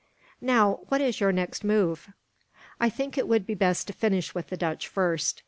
"Now, what is your next move?" "I think it would be best to finish with the Dutch, first.